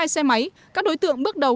một mươi hai xe máy các đối tượng bước đầu